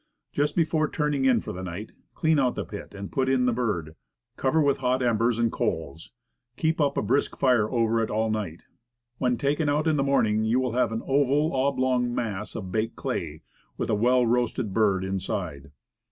Just before turning in for the night, clean out the pit, put in the bird, cover with hot embers and coals, keeping up a brisk fire over it all night. When taken out in the morning you will have an oval, oblong mass of baked clay, with a well* roasted bird inside.